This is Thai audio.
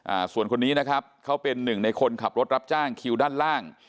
อ่าส่วนคนนี้นะครับเขาเป็นหนึ่งในคนขับรถรับจ้างคิวด้านล่าง